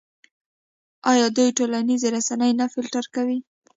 آیا دوی ټولنیزې رسنۍ نه فلټر کوي؟